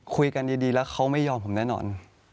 คุยกันดีแล้วเขาไม่ยอมผมแน่นอน